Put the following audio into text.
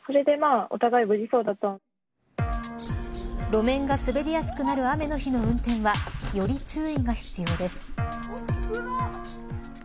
路面が滑りやすくなる雨の日の運転はより注意が必要です。